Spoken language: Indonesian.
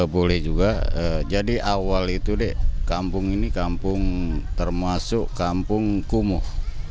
boleh juga jadi awal itu dek kampung ini kampung termasuk kampung kumuh